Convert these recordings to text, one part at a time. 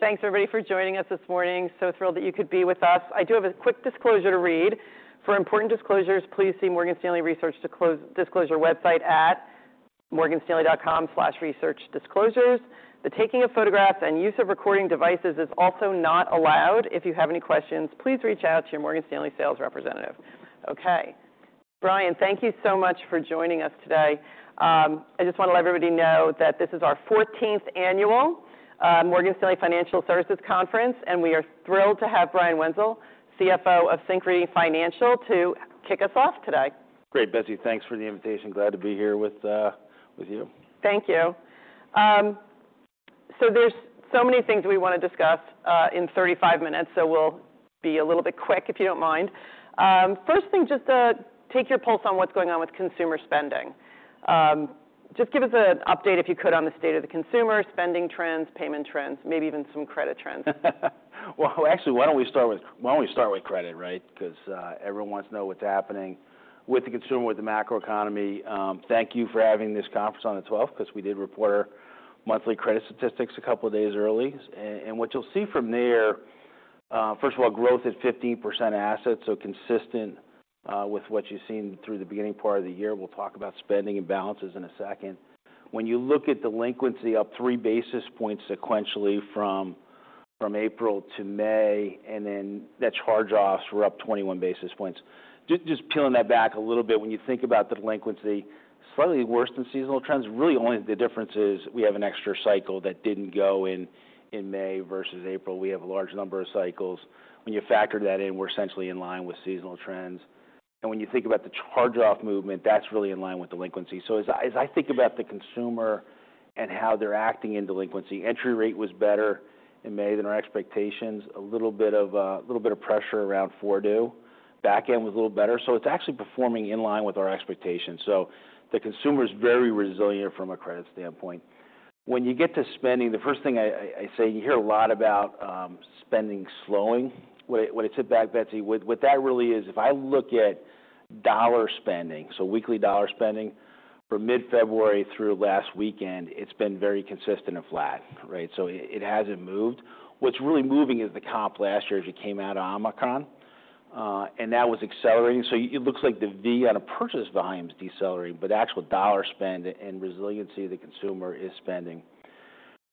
Thanks everybody for joining us this morning. Thrilled that you could be with us. I do have a quick disclosure to read. For important disclosures, please see Morgan Stanley Research Disclosure website at morganstanley.com/researchdisclosures. The taking of photographs and use of recording devices is also not allowed. If you have any questions, please reach out to your Morgan Stanley sales representative. Okay. Brian, thank you so much for joining us today. I just want to let everybody know that this is our 14th Annual Morgan Stanley Financial Services Conference, and we are thrilled to have Brian Wenzel, CFO of Synchrony Financial, to kick us off today. Great, Betsy. Thanks for the invitation. Glad to be here with you. Thank you. There's so many things we want to discuss in 35 minutes, so we'll be a little bit quick, if you don't mind. First thing, just to take your pulse on what's going on with consumer spending. Just give us an update, if you could, on the state of the consumer spending trends, payment trends, maybe even some credit trends. Well, actually, why don't we start with credit, right? Because everyone wants to know what's happening with the consumer, with the macroeconomy. Thank you for having this conference on the twelfth, because we did report our monthly credit statistics a couple of days early. What you'll see from there, first of all, growth is 15% assets, so consistent with what you've seen through the beginning part of the year. We'll talk about spending and balances in a second. When you look at delinquency, up three basis points sequentially from April to May, and then net charge-offs were up 21 basis points. Just peeling that back a little bit, when you think about delinquency, slightly worse than seasonal trends, really only the difference is we have an extra cycle that didn't go in May versus April. We have a large number of cycles. When you factor that in, we're essentially in line with seasonal trends. When you think about the charge-off movement, that's really in line with delinquency. As I think about the consumer and how they're acting in delinquency, entry rate was better in May than our expectations. A little bit of pressure around 4 due. Back end was a little better, it's actually performing in line with our expectations. The consumer is very resilient from a credit standpoint. When you get to spending, the first thing I say, you hear a lot about spending slowing. When I sit back, Betsy, what that really is, if I look at dollar spending, weekly dollar spending from mid-February through last weekend, it's been very consistent and flat, right? It hasn't moved. What's really moving is the comp last year, as you came out of Omicron, and that was accelerating. It looks like the V on a purchase volume is decelerating, but actual dollar spend and resiliency of the consumer is spending.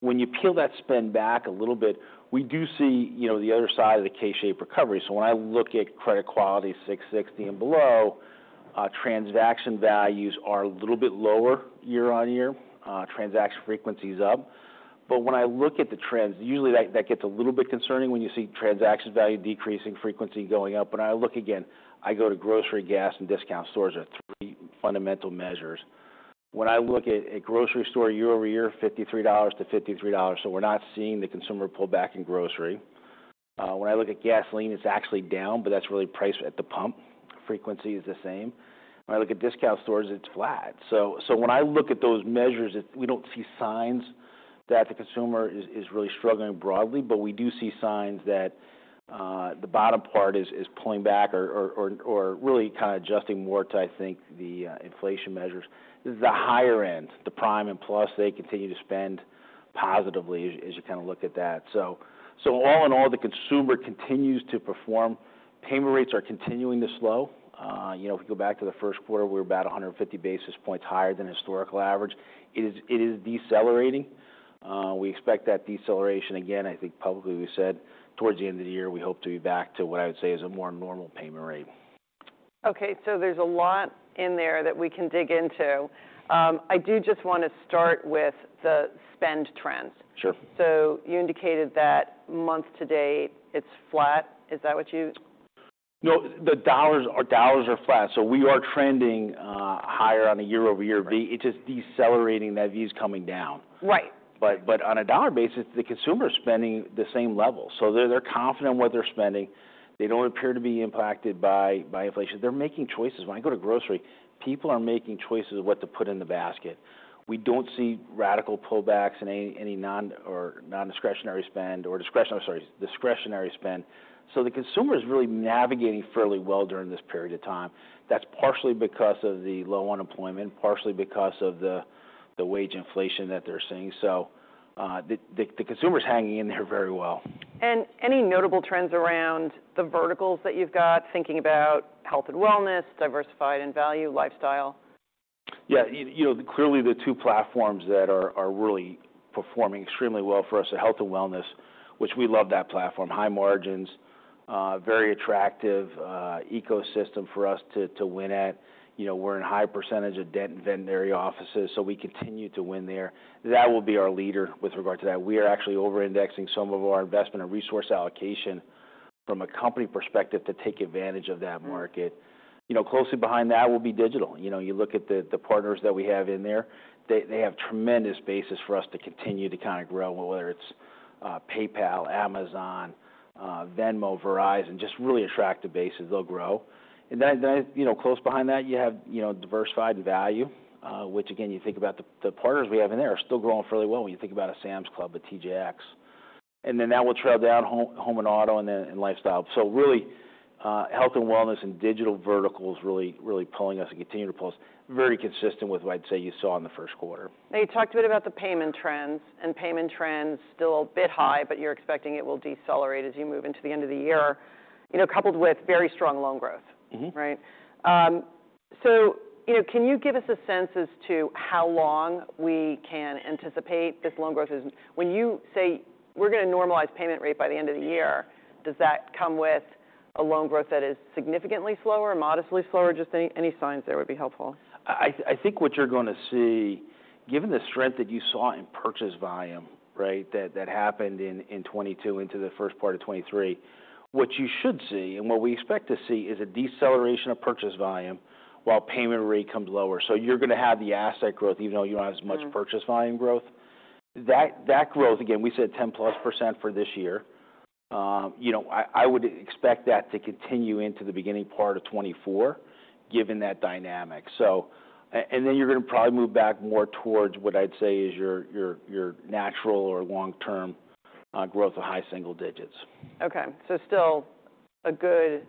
When you peel that spend back a little bit, we do see you know, the other side of the K-shaped recovery. When I look at credit quality, 660 and below, transaction values are a little bit lower year-on-year. Transaction frequency is up. When I look at the trends, usually that gets a little bit concerning when you see transaction value decreasing, frequency going up. When I look again, I go to grocery, gas, and discount stores are three fundamental measures. When I look at a grocery store, year-over-year, $53 to $53, so we're not seeing the consumer pull back in grocery. When I look at gasoline, it's actually down, but that's really price at the pump. Frequency is the same. When I look at discount stores, it's flat. When I look at those measures, we don't see signs that the consumer is really struggling broadly, but we do see signs that the bottom part is pulling back or really kind of adjusting more to, I think, the inflation measures. The higher end, the prime and plus, they continue to spend positively as you kind of look at that. All in all, the consumer continues to perform. Payment rates are continuing to slow. You know, if we go back to the first quarter, we're about 150 basis points higher than historical average. It is decelerating. We expect that deceleration again, I think publicly, we said towards the end of the year, we hope to be back to what I would say is a more normal payment rate. Okay, there's a lot in there that we can dig into. I do just want to start with the spend trends. Sure. You indicated that month to date, it's flat. Is that what? No, the dollars are flat. We are trending higher on a year-over-year V. It's just decelerating, that V is coming down. Right. On a dollar basis, the consumer is spending the same level. They're confident in what they're spending. They don't appear to be impacted by inflation. They're making choices. When I go to grocery, people are making choices of what to put in the basket. We don't see radical pullbacks in any non-discretionary spend or discretionary spend. The consumer is really navigating fairly well during this period of time. That's partially because of the low unemployment, partially because of the wage inflation that they're seeing. The consumer is hanging in there very well. And any notable trends around the verticals that you've got, thinking about health and wellness, diversified and value, lifestyle? Yeah, you know, clearly the two platforms that are really performing extremely well for us are health and wellness, which we love that platform. High margins, very attractive ecosystem for us to win at. You know, we're in a high percentage of dent and veterinary offices. We continue to win there. That will be our leader with regard to that. We are actually over indexing some of our investment and resource allocation from a company perspective to take advantage of that market. You know, closely behind that will be Digital. You know, you look at the partners that we have in there, they have tremendous basis for us to continue to kind of grow, whether it's PayPal, Amazon, Venmo, Verizon, just really attractive bases. They'll grow. Then, you know, close behind that, you have, you diversified and value, which again, you think about the partners we have in there are still growing fairly well when you think about a Sam's Club, a TJX. Then that will trail down home and auto and then, and lifestyle. Health and wellness and digital verticals really pulling us and continuing to pull us. Very consistent with what I'd say you saw in the first quarter. You talked a bit about the payment trends, and payment trends still a bit high, but you're expecting it will decelerate as you move into the end of the year, you know, coupled with very strong loan growth. Right? you know, can you give us a sense as to how long we can anticipate this loan growth? When you say, "We're going to normalize payment rate by the end of the year," does that come with a loan growth that is significantly slower, modestly slower? Just any signs there would be helpful. I think what you're going to see, given the strength that you saw in purchase volume, right? That happened in 2022 into the first part of 2023. What you should see, and what we expect to see, is a deceleration of purchase volume while payment rate comes lower. You're going to have the asset growth, even though you don't have as much purchase volume growth. That growth, again, we said 10%+ for this year. you know, I would expect that to continue into the beginning part of 2024, given that dynamic. You're going to probably move back more towards what I'd say is your natural or long-term growth of high single digits. Okay. Still a good,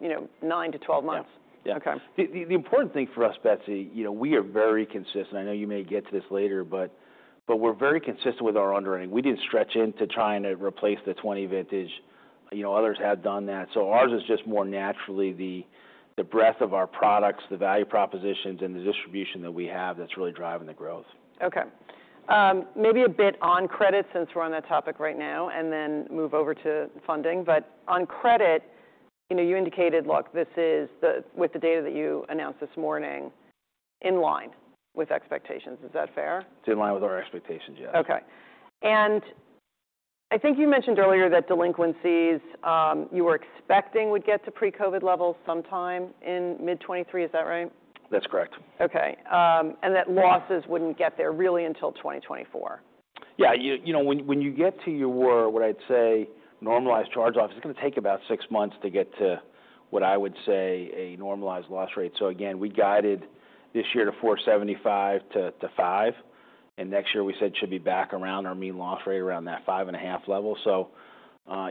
you know, nine to 12 months? Yeah. Yeah. Okay. The important thing for us, Betsy, you know, we are very consistent. I know you may get to this later, but we're very consistent with our underwriting. We didn't stretch in to try and replace the 2020 vintage. You know, others had done that. Ours is just more naturally the breadth of our products, the value propositions, and the distribution that we have that's really driving the growth. Okay. Maybe a bit on credit, since we're on that topic right now, and then move over to funding. On credit, you know, you indicated, look, this is with the data that you announced this morning, in line with expectations. Is that fair? It's in line with our expectations, yes. Okay. I think you mentioned earlier that delinquencies, you were expecting would get to pre-COVID levels sometime in mid-2023. Is that right? That's correct. Okay. Right And that losses wouldn't get there really until 2024. Yeah. You know, when you get to your, what I'd say, normalized charge-off, it's going to take about six months to get to, what I would say, a normalized loss rate. Again, we guided this year to 4.75%-5%, and next year we said it should be back around our mean loss rate, around that 5.5% level.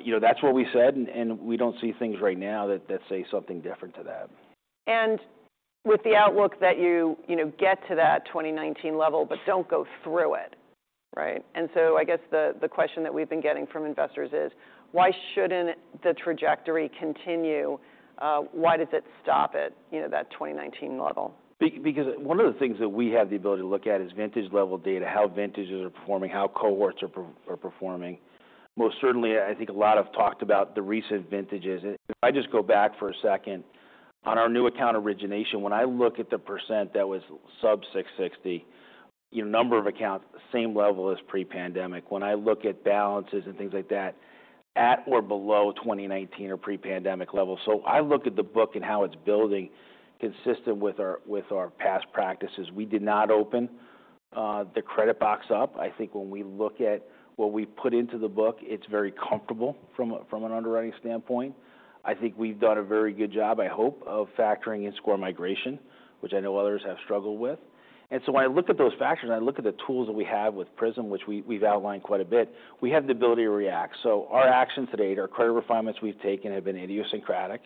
You know, that's what we said, and we don't see things right now that say something different to that. With the outlook that you know, get to that 2019 level, but don't go through it, right? I guess the question that we've been getting from investors is: Why shouldn't the trajectory continue? Why does it stop at, you know, that 2019 level? Because one of the things that we have the ability to look at is vintage-level data, how vintages are performing, how cohorts are performing. Most certainly, I think a lot have talked about the recent vintages. If I just go back for a second, on our new account origination, when I look at the percent that was sub 660, your number of accounts, same level as pre-pandemic. When I look at balances and things like that, at or below 2019 or pre-pandemic levels. I look at the book and how it's building consistent with our past practices. We did not open the credit box up. I think when we look at what we put into the book, it's very comfortable from an underwriting standpoint. I think we've done a very good job, I hope, of factoring in score migration, which I know others have struggled with. When I look at those factors, and I look at the tools that we have with PRISM, which we've outlined quite a bit, we have the ability to react. Our actions to date, our credit refinements we've taken, have been idiosyncratic.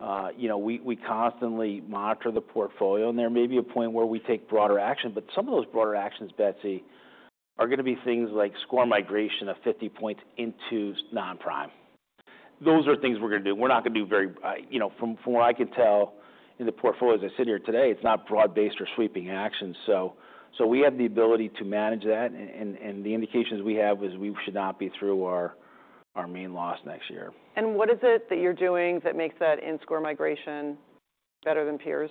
You know, we constantly monitor the portfolio, and there may be a point where we take broader action, but some of those broader actions, Betsy, are going to be things like score migration of 50 points into non-prime. Those are things we're going to do. We're not going to do very. You know, from what I can tell in the portfolio as I sit here today, it's not broad-based or sweeping actions. So we have the ability to manage that, and the indications we have is we should not be through our mean loss next year. What is it that you're doing that makes that in-score migration better than peers?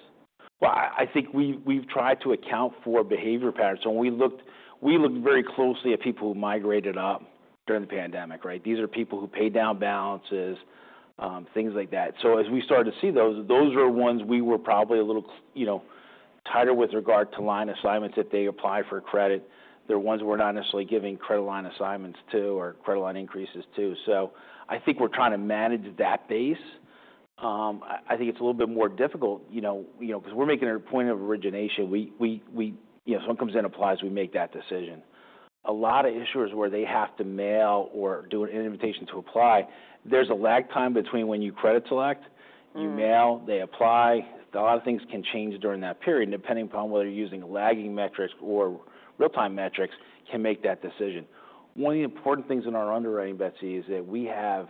I think we've tried to account for behavior patterns. When we looked very closely at people who migrated up during the pandemic, right? These are people who paid down balances, things like that. As we started to see those are ones we were probably a little you know, tighter with regard to line assignments that they applied for credit. They're ones we're not necessarily giving credit line assignments to or credit line increases to. I think we're trying to manage that base. I think it's a little bit more difficult, you know, because we're making a point of origination. You know, someone comes in and applies, we make that decision. A lot of issuers, where they have to mail or do an invitation to apply, there's a lag time between when you credit select, you mail, they apply. A lot of things can change during that period, depending upon whether you're using lagging metrics or real-time metrics, can make that decision. One of the important things in our underwriting, Betsy, is that we have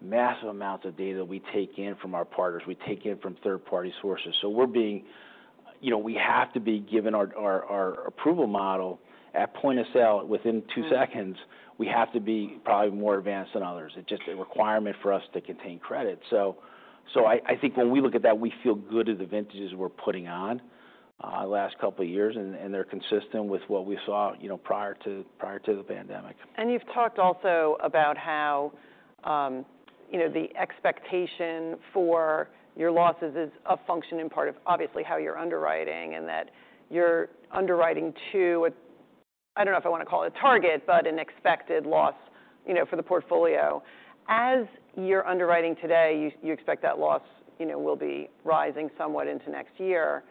massive amounts of data we take in from our partners, we take in from third-party sources. You know, we have to be, given our approval model at point of sale, within two seconds, we have to be probably more advanced than others. It's just a requirement for us to contain credit. I think when we look at that, we feel good at the vintages we're putting on, the last couple of years, and they're consistent with what we saw, you know, prior to the pandemic. You've talked also about how, you know, the expectation for your losses is a function in part of obviously how you're underwriting and that you're underwriting to a... I don't know if I want to call it a target, but an expected loss, you know, for the portfolio. As you're underwriting today, you expect that loss, you know, will be rising somewhat into next year.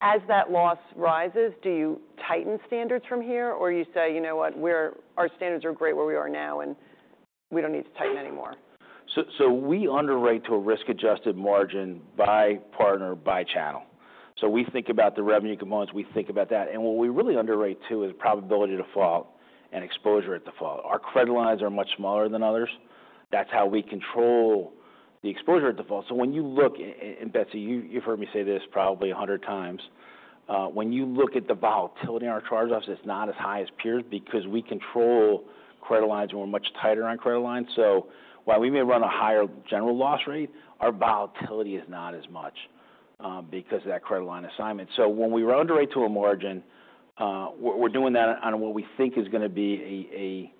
As that loss rises, do you tighten standards from here? Or you say, "You know what? Our standards are great where we are now, and we don't need to tighten anymore. We underwrite to a risk-adjusted margin by partner, by channel. We think about the revenue components, we think about that. What we really underwrite to is probability to default and exposure at default. Our credit lines are much smaller than others. That's how we control the exposure at default. When you look, and Betsy, you've heard me say this probably 100 times, when you look at the volatility in our charge-offs, it's not as high as peers because we control credit lines, and we're much tighter on credit lines. While we may run a higher general loss rate, our volatility is not as much because of that credit line assignment. When we underwrite to a margin, we're doing that on what we think is gonna be,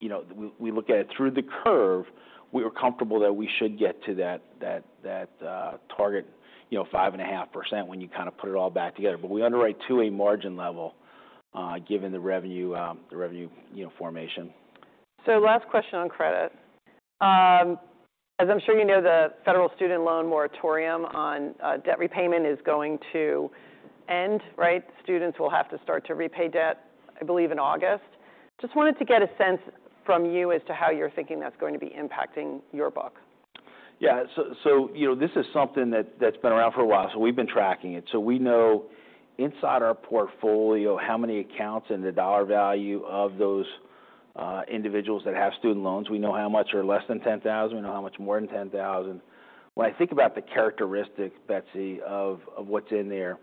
you know, we look at it through the curve. We are comfortable that we should get to that target, you know, 5.5% when you kind of put it all back together. We underwrite to a margin level, given the revenue, you know, formation. Last question on credit. As I'm sure you know, the federal student loan moratorium on debt repayment is going to end, right? Students will have to start to repay debt, I believe, in August. Just wanted to get a sense from you as to how you're thinking that's going to be impacting your book. You know, this is something that's been around for a while, so we've been tracking it. We know inside our portfolio how many accounts and the dollar value of those individuals that have student loans. We know how much are less than $10,000. We know how much more than $10,000. When I think about the characteristics, Betsy, of what's in there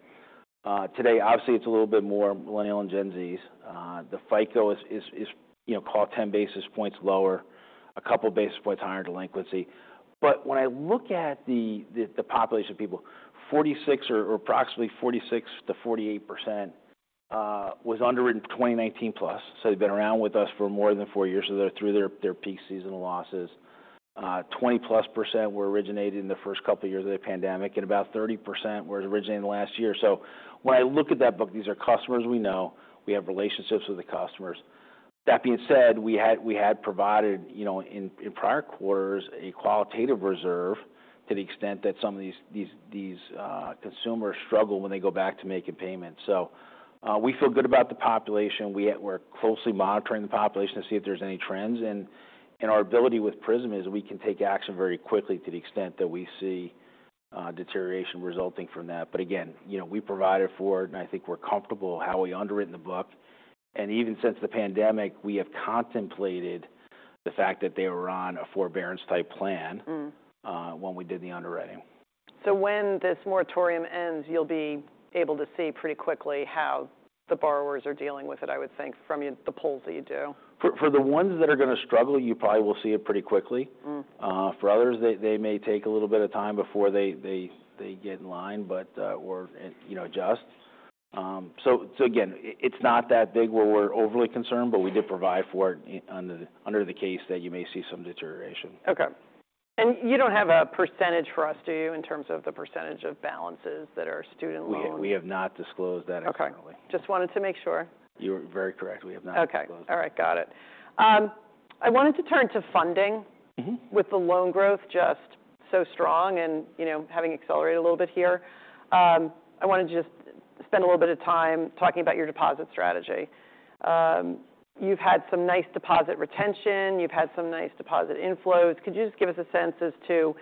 today, obviously, it's a little bit more Millennial and Gen Zs. The FICO is, you know, called 10 basis points lower, a couple basis points higher in delinquency. When I look at the population of people, 46% or approximately 46%-48% was underwritten in 2019 plus. They've been around with us for more than four years, so they're through their peak seasonal losses. 20+% were originated in the first couple of years of the pandemic, and about 30% were originated in the last year. When I look at that book, these are customers we know. We have relationships with the customers. That being said, we had provided, you know, in prior quarters, a qualitative reserve to the extent that some of these consumers struggle when they go back to making payments. We feel good about the population. We're closely monitoring the population to see if there's any trends, and our ability with PRISM is we can take action very quickly to the extent that we see deterioration resulting from that. Again, you know, we provided for it, and I think we're comfortable how we underwritten the book. Even since the pandemic, we have contemplated the fact that they were on a forbearance-type plan. When we did the underwriting. When this moratorium ends, you'll be able to see pretty quickly how the borrowers are dealing with it, I would think, from the polls that you do. For the ones that are gonna struggle, you probably will see it pretty quickly. For others, they may take a little bit of time before they get in line, but, or, you know, adjust. Again, it's not that big where we're overly concerned, but we did provide for it under the case that you may see some deterioration. Okay. You don't have a percentage for us, do you, in terms of the percentage of balances that are student loans? We have not disclosed that externally. Okay. Just wanted to make sure. You're very correct. We have not disclosed it. Okay. All right. Got it. I wanted to turn to funding. With the loan growth just so strong and, you know, having accelerated a little bit here, I wanted to just spend a little bit of time talking about your deposit strategy. You've had some nice deposit retention. You've had some nice deposit inflows. Could you just give us a sense as to,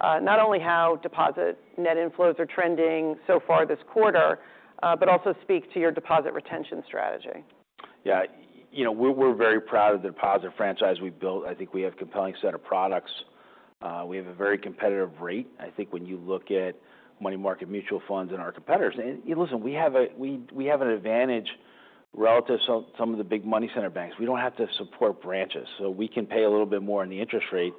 not only how deposit net inflows are trending so far this quarter, but also speak to your deposit retention strategy? Yeah, you know, we're very proud of the deposit franchise we've built. I think we have a compelling set of products. We have a very competitive rate. I think when you look at money market mutual funds and our competitors... Listen, we have an advantage relative to some of the big money center banks. We don't have to support branches, so we can pay a little bit more on the interest rate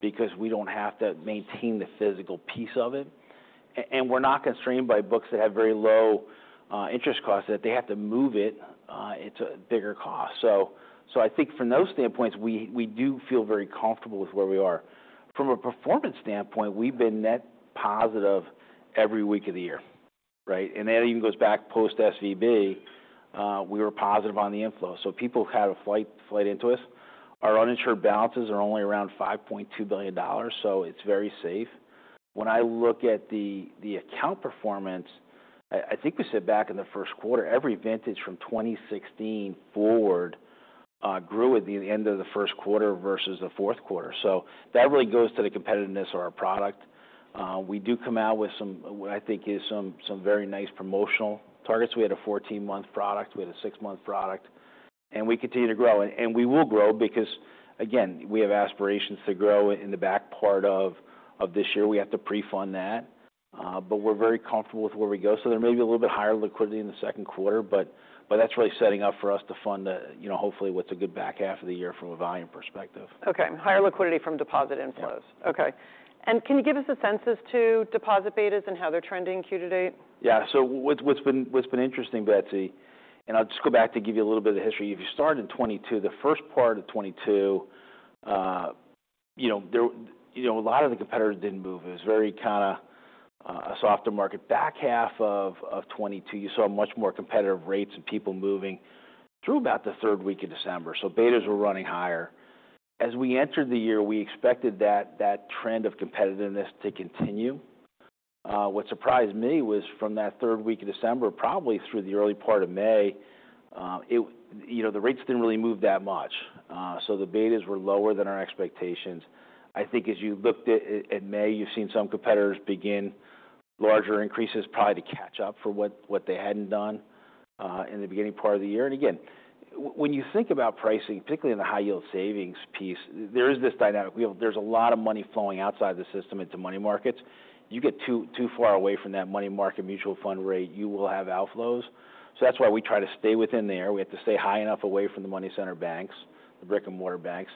because we don't have to maintain the physical piece of it. We're not constrained by books that have very low interest costs, that if they have to move it's a bigger cost. I think from those standpoints, we do feel very comfortable with where we are. From a performance standpoint, we've been net positive every week of the year, right? That even goes back post-SVB, we were positive on the inflows, people kind of flight into us. Our uninsured balances are only around $5.2 billion, it's very safe. When I look at the account performance, I think we said back in the first quarter, every vintage from 2016 forward grew at the end of the first quarter versus the fourth quarter. That really goes to the competitiveness of our product. We do come out with some, what I think is some very nice promotional targets. We had a 14-month product. We had a six-month product, we continue to grow. We will grow because, again, we have aspirations to grow in the back part of this year. We have to pre-fund that, we're very comfortable with where we go. There may be a little bit higher liquidity in the second quarter, but that's really setting up for us to fund, you know, hopefully, what's a good back half of the year from a volume perspective. Okay, higher liquidity from deposit inflows. Yeah. Okay. Can you give us a sense as to deposit betas and how they're trending Q to date? Yeah. What's been interesting, Betsy, and I'll just go back to give you a little bit of history. If you start in 2022, the first part of 2022, you know, there, you know, a lot of the competitors didn't move. It was very kind of a softer market. Back half of 2022, you saw much more competitive rates and people moving through about the third week of December. Betas were running higher. As we entered the year, we expected that trend of competitiveness to continue. What surprised me was from that third week of December, probably through the early part of May, it, you know, the rates didn't really move that much. The betas were lower than our expectations. I think as you looked at May, you've seen some competitors begin larger increases, probably to catch up for what they hadn't done in the beginning part of the year. Again, when you think about pricing, particularly in the high yield savings piece, there is this dynamic. There's a lot of money flowing outside the system into money markets. You get too far away from that money market mutual fund rate, you will have outflows. That's why we try to stay within there. We have to stay high enough away from the money center banks, the brick-and-mortar banks,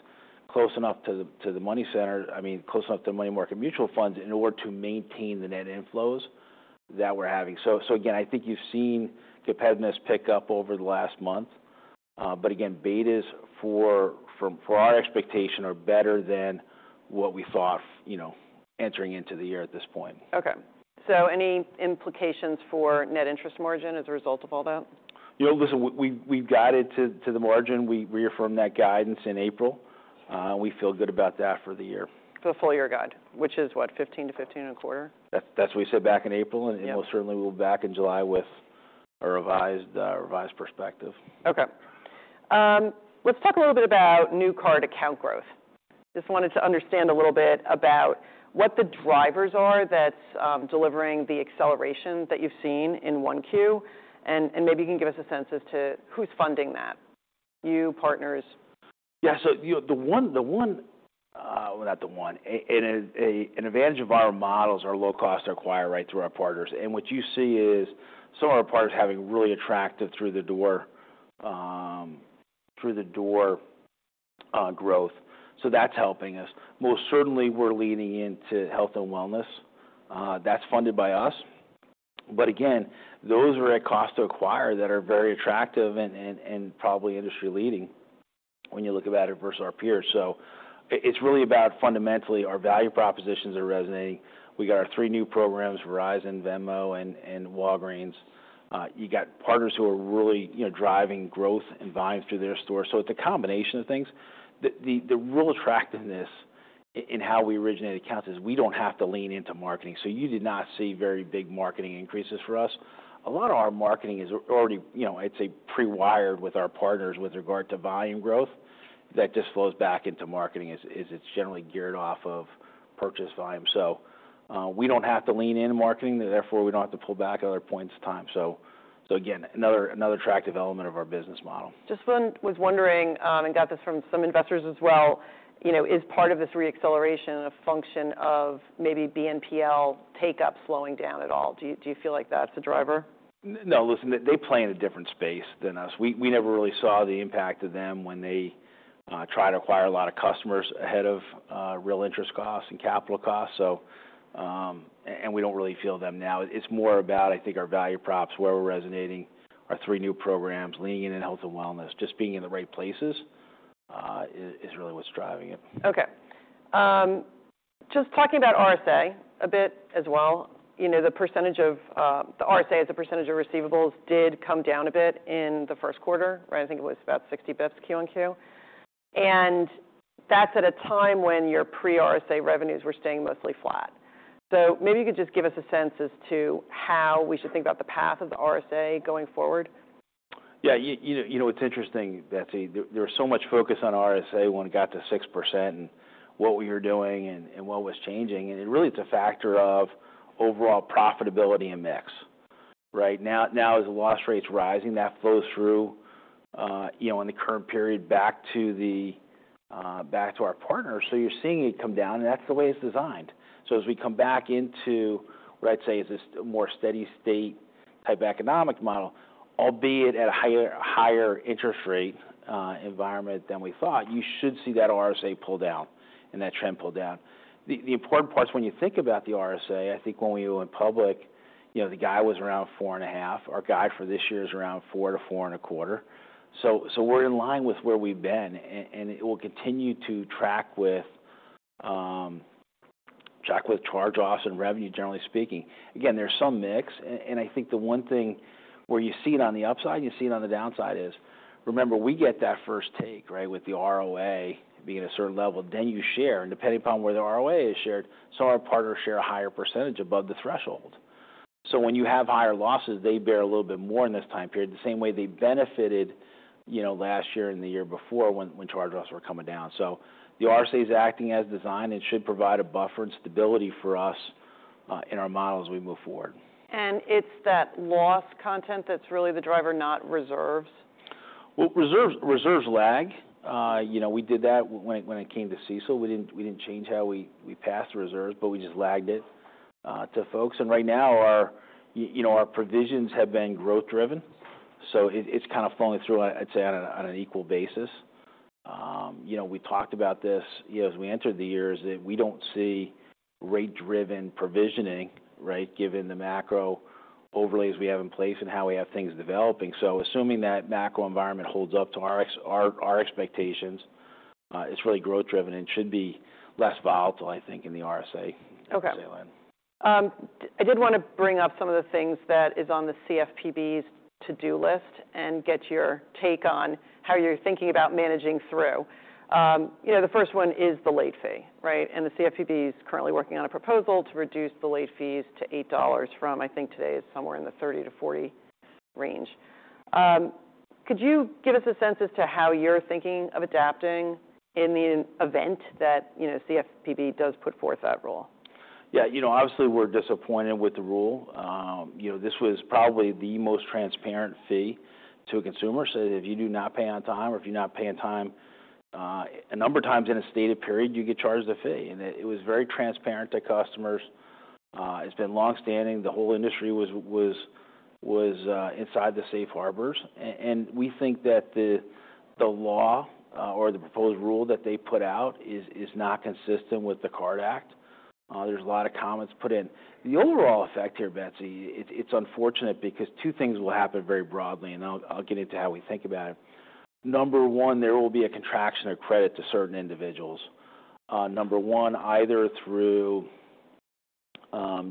close enough to the money center- I mean, close enough to the money market mutual funds in order to maintain the net inflows that we're having. Again, I think you've seen competitiveness pick up over the last month. Again, betas for our expectation are better than what we saw, you know, entering into the year at this point. Okay. Any implications for net interest margin as a result of all that? You know, listen, we've guided to the margin. We reaffirmed that guidance in April. We feel good about that for the year. The full year guide, which is what? 15 to 15 and a quarter. That's we said back in April. Yeah. We certainly will back in July with a revised perspective. Okay. let's talk a little bit about new card account growth. Just wanted to understand a little bit about what the drivers are that's delivering the acceleration that you've seen in 1Q. Maybe you can give us a sense as to who's funding that, you, partners? Yeah. You know, the one, well, not the one. An advantage of our models are low cost to acquire right through our partners. What you see is some of our partners having really attractive through the door growth. That's helping us. Most certainly, we're leaning into health and wellness, that's funded by us. Again, those are at cost to acquire that are very attractive and probably industry-leading when you look at it versus our peers. It's really about fundamentally our value propositions are resonating. We got our 3 new programs, Verizon, Venmo, and Walgreens. You got partners who are really, you know, driving growth and volume through their stores. It's a combination of things. The real attractiveness in how we originate accounts is we don't have to lean into marketing, so you did not see very big marketing increases for us. A lot of our marketing is already, you know, I'd say, pre-wired with our partners with regard to volume growth. That just flows back into marketing, as it's generally geared off of purchase volume. We don't have to lean in marketing, therefore we don't have to pull back at other points in time. Again, another attractive element of our business model. Just was wondering, got this from some investors as well, you know, is part of this re-acceleration a function of maybe BNPL take-up slowing down at all? Do you feel like that's a driver? No, listen, they play in a different space than us. We never really saw the impact of them when they try to acquire a lot of customers ahead of real interest costs and capital costs. We don't really feel them now. It's more about, I think, our value props, where we're resonating, our three new programs, leaning in on health and wellness. Just being in the right places, is really what's driving it. Just talking about RSA a bit as well. You know, the percentage of the RSA as a percentage of receivables did come down a bit in the first quarter. I think it was about 60 basis points Q-on-Q. That's at a time when your pre-RSA revenues were staying mostly flat. Maybe you could just give us a sense as to how we should think about the path of the RSA going forward. Yeah, you know, it's interesting, Betsy, there was so much focus on RSA when it got to 6% and what we were doing and what was changing. Really, it's a factor of overall profitability and mix. Right now, as the loss rate's rising, that flows through, you know, in the current period back to the back to our partners. You're seeing it come down, and that's the way it's designed. As we come back into what I'd say is this more steady state type economic model, albeit at a higher interest rate environment than we thought, you should see that RSA pull down and that trend pull down. The important parts, when you think about the RSA, I think when we went public, you know, the guide was around four and a half. Our guide for this year is around 4%-4.25%. We're in line with where we've been, and it will continue to track with charge-offs and revenue, generally speaking. Again, there's some mix, and I think the one thing where you see it on the upside and you see it on the downside is, remember, we get that first take, right, with the ROA being a certain level, then you share, and depending upon where the ROA is shared, our partners share a higher percentage above the threshold. When you have higher losses, they bear a little bit more in this time period, the same way they benefited, you know, last year and the year before, when charge-offs were coming down. The RSA is acting as designed. It should provide a buffer and stability for us, in our model as we move forward. It's that loss content that's really the driver, not reserves? Well, reserves lag. you know, we did that when it came to CECL. We didn't change how we passed the reserves, but we just lagged it to folks. Right now, our, you know, our provisions have been growth driven, so it's kind of flowing through, I'd say, on an equal basis. you know, we talked about this, you know, as we entered the years, that we don't see rate-driven provisioning, right? Given the macro overlays we have in place and how we have things developing. Assuming that macro environment holds up to our expectations, it's really growth driven and should be less volatile, I think, in the RSA sale end Okay. I did want to bring up some of the things that is on the CFPB's to-do list and get your take on how you're thinking about managing through. you know, the first one is the late fee, right? The CFPB is currently working on a proposal to reduce the late fees to $8 from, I think today, is somewhere in the $30-$40 range. could you give us a sense as to how you're thinking of adapting in the event that, you know, CFPB does put forth that rule? You know, obviously, we're disappointed with the rule. You know, this was probably the most transparent fee to a consumer. If you do not pay on time or if you're not pay on time a number of times in a stated period, you get charged a fee. It was very transparent to customers. It's been long-standing. The whole industry was inside the safe harbors. We think that the law or the proposed rule that they put out is not consistent with the CARD Act. There's a lot of comments put in. The overall effect here, Betsy, it's unfortunate because two things will happen very broadly, and I'll get into how we think about it. Number one, there will be a contraction of credit to certain individuals. Number one, either through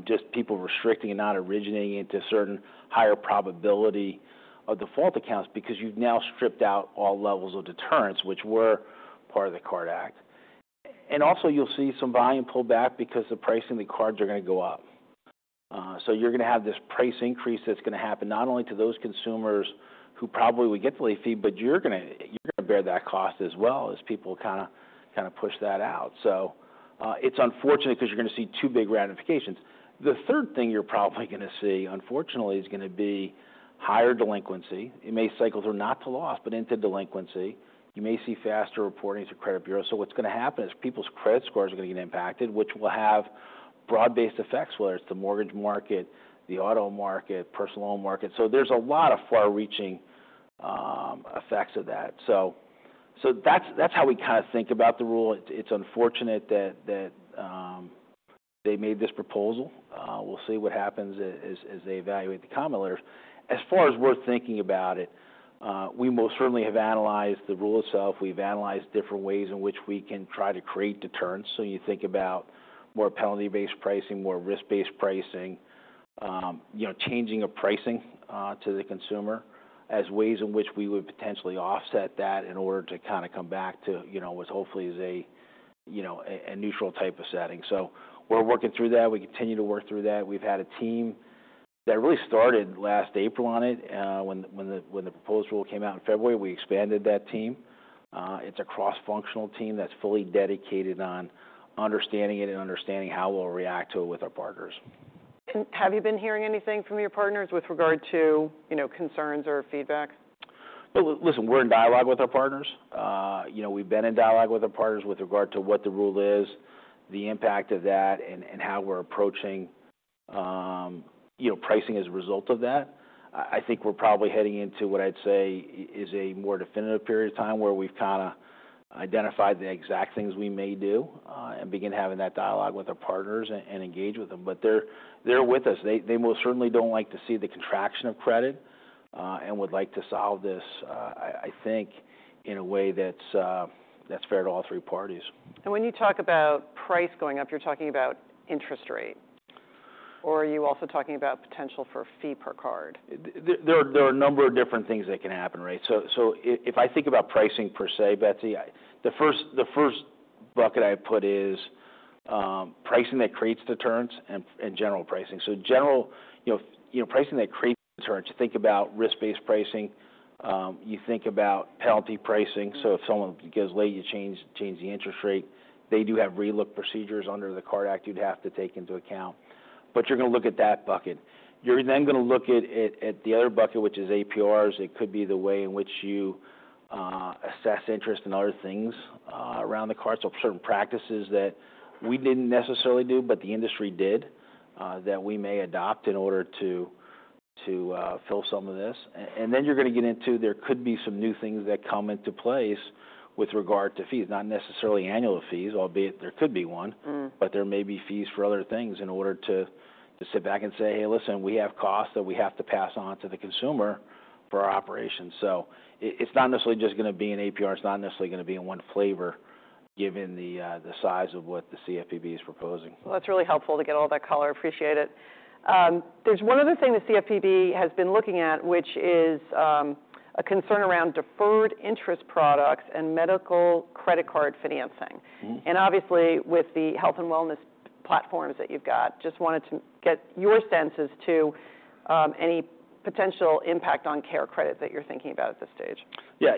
just people restricting and not originating into certain higher probability of default accounts because you've now stripped out all levels of deterrence, which were part of the CARD Act. You'll see some volume pull back because the pricing, the cards are going to go up. You're going to have this price increase that's going to happen not only to those consumers who probably would get the late fee, but you're gonna bear that cost as well, as people kinda push that out. It's unfortunate 'cause you're going to see two big ramifications. The third thing you're probably gonna see, unfortunately, is gonna be higher delinquency. It may cycle through, not to loss, but into delinquency. You may see faster reporting to credit bureaus. What's gonna happen is people's credit scores are gonna get impacted, which will have broad-based effects, whether it's the mortgage market, the auto market, personal loan market. There's a lot of far-reaching effects of that. That's how we kind of think about the rule. It's unfortunate that they made this proposal. We'll see what happens as they evaluate the comment letters. As far as we're thinking about it, we most certainly have analyzed the rule itself. We've analyzed different ways in which we can try to create deterrence. You think about more penalty-based pricing, more risk-based pricing, you know, changing of pricing to the consumer, as ways in which we would potentially offset that in order to kind of come back to, you know, what hopefully is a neutral type of setting. We're working through that. We continue to work through that. We've had a team that really started last April on it. When the proposed rule came out in February, we expanded that team. It's a cross-functional team that's fully dedicated on understanding it and understanding how we'll react to it with our partners. Have you been hearing anything from your partners with regard to, you know, concerns or feedback? Well, listen, we're in dialogue with our partners. you know, we've been in dialogue with our partners with regard to what the rule is, the impact of that, and how we're approaching, you know, pricing as a result of that. I think we're probably heading into what I'd say is a more definitive period of time, where we've kind of identified the exact things we may do, and begin having that dialogue with our partners and engage with them. They're with us. They most certainly don't like to see the contraction of credit, and would like to solve this, I think in a way that's fair to all three parties. When you talk about price going up, you're talking about interest rate, or are you also talking about potential for fee per card? There are a number of different things that can happen, right? If I think about pricing per se, Betsy, the first bucket I put is pricing that creates deterrence and general pricing. General, you know, pricing that creates deterrence, you think about Risk-based pricing, you think about Penalty pricing. If someone goes late, you change the interest rate. They do have relook procedures under the CARD Act you'd have to take into account, but you're gonna look at that bucket. You're then gonna look at the other bucket, which is APRs. It could be the way in which you assess interest and other things around the card. Certain practices that we didn't necessarily do, but the industry did, that we may adopt in order to fill some of this. You're gonna get into, there could be some new things that come into place with regard to fees, not necessarily annual fees, albeit there could be one. There may be fees for other things in order to sit back and say, "Hey, listen, we have costs that we have to pass on to the consumer for our operations." It's not necessarily just gonna be an APR, it's not necessarily gonna be in one flavor, given the size of what the CFPB is proposing. That's really helpful to get all that color. Appreciate it. There's one other thing the CFPB has been looking at, which is a concern around deferred interest products and medical credit card financing. Obviously, with the health and wellness platforms that you've got, just wanted to get your senses to any potential impact on CareCredit that you're thinking about at this stage.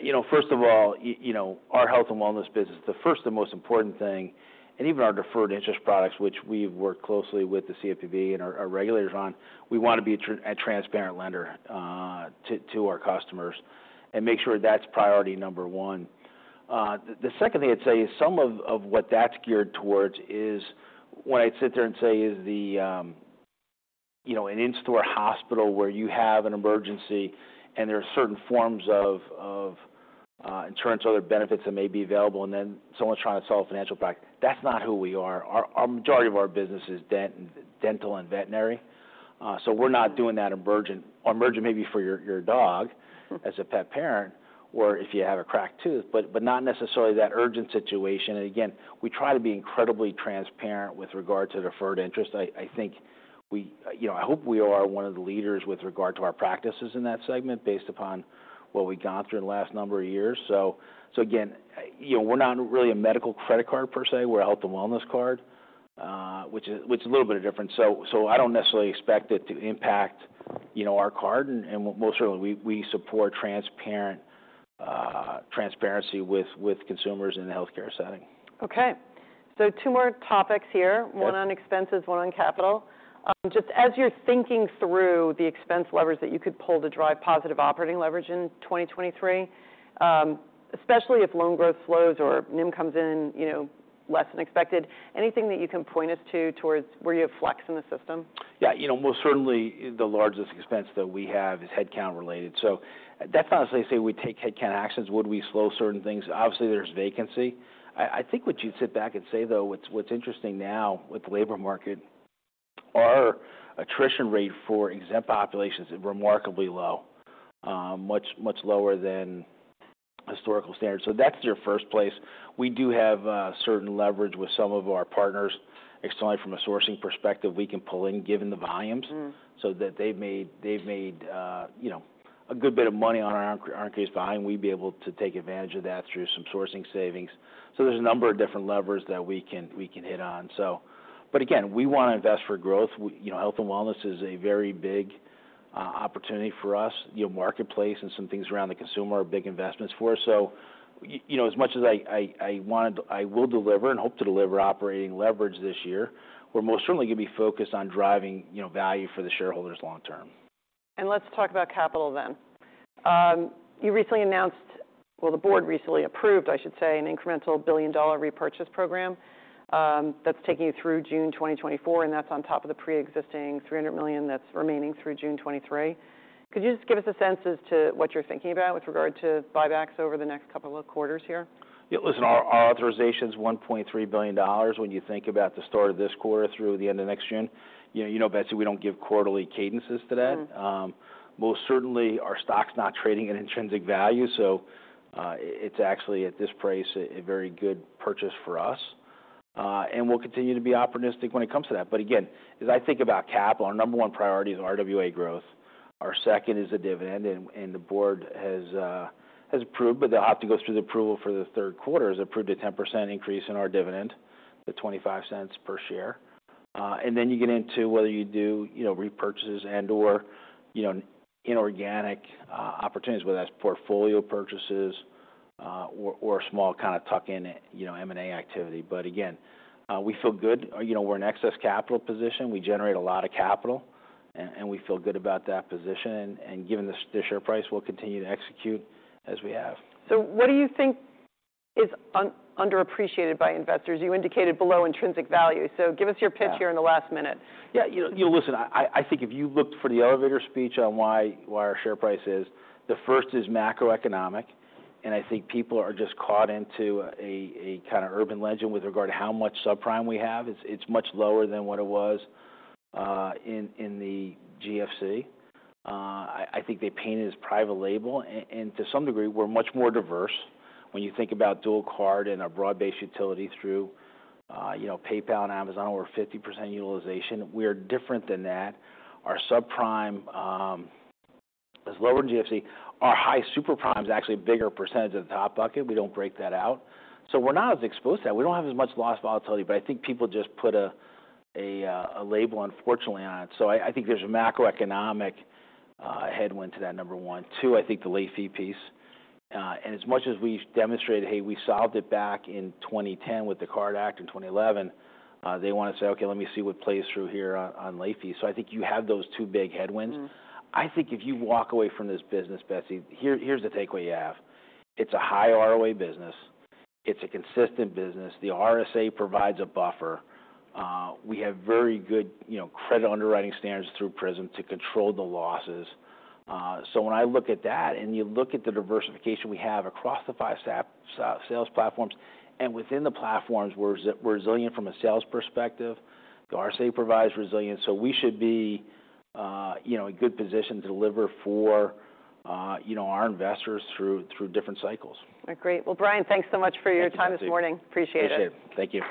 You know, first of all, you know, our health and wellness business, the first and most important thing, and even our deferred interest products, which we've worked closely with the CFPB and our regulators on, we want to be a transparent lender to our customers and make sure that's priority number one. The second thing I'd say is, some of what that's geared towards is when I'd sit there and say, is the, you know, an in-store hospital where you have an emergency and there are certain forms of insurance or other benefits that may be available, then someone's trying to solve a financial product. That's not who we are. Our majority of our business is dental and veterinary. We're not doing that emergent or emergent maybe for your dog, as a pet parent, or if you have a cracked tooth, but not necessarily that urgent situation. Again, we try to be incredibly transparent with regard to deferred interest. I think you know, I hope we are one of the leaders with regard to our practices in that segment, based upon what we got through the last number of years. Again, you know, we're not really a medical credit card per se. We're a health and wellness card, which is a little bit of different. I don't necessarily expect it to impact, you know, our card. Most certainly, we support transparent transparency with consumers in the healthcare setting. Okay. Two more topics here. Okay. One on expenses, one on capital. Just as you're thinking through the expense levers that you could pull to drive positive operating leverage in 2023, especially if loan growth slows or NIM comes in, you know, less than expected, anything that you can point us to towards where you have flex in the system? Yeah, you know, most certainly the largest expense that we have is headcount related. That's not to say we take headcount actions. Would we slow certain things? Obviously, there's vacancy. I think what you'd sit back and say, though, what's interesting now with the labor market, our attrition rate for exempt populations is remarkably low, much lower than historical standards. That's your first place. We do have certain leverage with some of our partners externally, from a sourcing perspective, we can pull in, given the volumes. so that they've made, you know, a good bit of money on our case volume. We'd be able to take advantage of that through some sourcing savings. There's a number of different levers that we can, we can hit on. Again, we want to invest for growth. We, you know, health and wellness is a very big opportunity for us. You know, Marketplace and some things around the consumer are big investments for us. You know, as much as I will deliver and hope to deliver operating leverage this year, we're most certainly going to be focused on driving, you know, value for the shareholders long term. Let's talk about capital then. The board recently approved, I should say, an incremental billion-dollar repurchase program, that's taking you through June 2024, and that's on top of the pre-existing $300 million that's remaining through June 2023. Could you just give us a sense as to what you're thinking about with regard to buybacks over the next couple of quarters here? Yeah, listen, our authorization's $1.3 billion. When you think about the start of this quarter through the end of next June, you know, Betsy, we don't give quarterly cadences to that. Most certainly, our stock's not trading at intrinsic value, so it's actually, at this price, a very good purchase for us. We'll continue to be opportunistic when it comes to that. Again, as I think about capital, our number one priority is RWA growth. Our second is the dividend, and the board has approved, but they'll have to go through the approval for the third quarter, has approved a 10% increase in our dividend, the $0.25 per share. Then you get into whether you do, you know, repurchases and/or, you know, inorganic opportunities, whether that's portfolio purchases, or small kind of tuck-in, you know, M&A activity. Again, we feel good. You know, we're in excess capital position. We generate a lot of capital, and we feel good about that position. Given the share price, we'll continue to execute as we have. What do you think is underappreciated by investors? You indicated below intrinsic value, so give us your pitch here in the last minute. Yeah. You know, listen, I think if you looked for the elevator speech on why our share price is, the first is macroeconomic, I think people are just caught into a kind of urban legend with regard to how much subprime we have. It's much lower than what it was in the GFC. I think they paint it as private label, and to some degree, we're much more diverse. When you think about Dual Card and our broad-based utility through, you know, PayPal and Amazon, over 50% utilization, we are different than that. Our subprime is lower than GFC. Our high super prime is actually a bigger percentage of the top bucket. We don't break that out. We're not as exposed to that. We don't have as much loss volatility, I think people just put a label, unfortunately, on it. I think there's a macroeconomic headwind to that, number one. Two, I think the late fee piece, and as much as we've demonstrated, hey, we solved it back in 2010 with the CARD Act in 2011, they want to say, "Okay, let me see what plays through here on late fees." I think you have those two big headwinds. I think if you walk away from this business, Betsy, here's the takeaway you have: It's a high ROA business. It's a consistent business. The RSA provides a buffer. We have very good, you know, credit underwriting standards through PRISM to control the losses. When I look at that, and you look at the diversification we have across the five sales platforms, and within the platforms, we're resilient from a sales perspective. The RSA provides resilience, so we should be, you know, in good position to deliver for, you know, our investors through different cycles. Great. Well, Brian, thanks so much for your time this morning. Thank you, Betsy. Appreciate it. Appreciate it. Thank you.